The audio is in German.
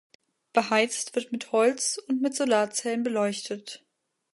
Beheizt wird mit Holz und mit Solarzellen beleuchtet.